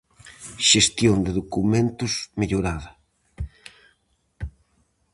Xestión de documentos mellorada.